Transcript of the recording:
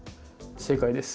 正解です。